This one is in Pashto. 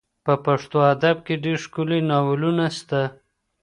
په پښتو ادب کي ډېر ښکلي ناولونه سته.